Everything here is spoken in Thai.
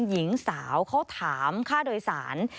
หญิงสาวเขาถามค่าโดยสาร